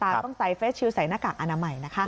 ต้องใส่เฟสชิลใส่หน้ากากอนามัยนะคะ